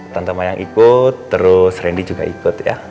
tante mayang ikut terus randy juga ikut ya